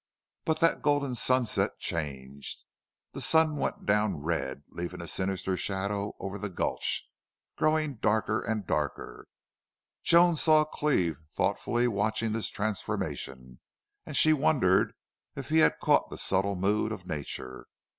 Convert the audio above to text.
But that golden sunset changed. The sun went down red, leaving a sinister shadow over the gulch, growing darker and darker. Joan saw Cleve thoughtfully watching this transformation, and she wondered if he had caught the subtle mood of nature.